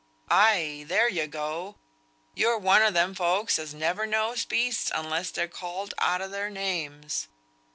"Ay, there you go! You're one o' them folks as never knows beasts unless they're called out o' their names.